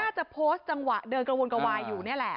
จะโพสต์จังหวะเดินกระวนกระวายอยู่นี่แหละ